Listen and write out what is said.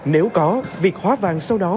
nếu có việc hóa vàng sau đó